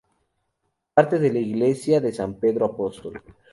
Parte de la Iglesia de San Pedro Apóstol.